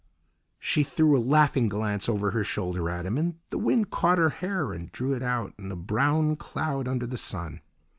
She threw a laughing glance over her shoulder at him, and the wind caught her hair and drew it out in a brown cloud under the sun.